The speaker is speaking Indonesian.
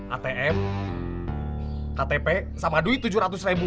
atm ktp sama duit tujuh ratus ribu